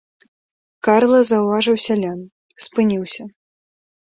Карла заўважыў сялян, спыніўся.